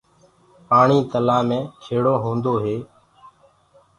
پآڻي تلآه مي کيڙو هوندو هي۔